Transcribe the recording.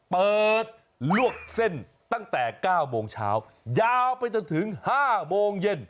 เปิดลวกเส้นตั้งแต่๙โมงเช้ายาวไปจนถึง๕โมงเย็น